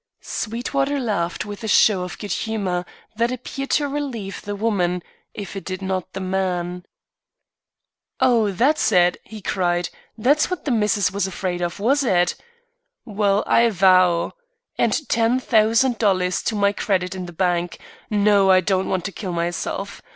Sweetwater laughed with a show of good humour that appeared to relieve the woman, if it did not the man. "Oh, that's it," he cried. "That's what the missus was afraid of, was it? Well, I vow! And ten thousand dollars to my credit in the bank! No, I don't want to kill myself.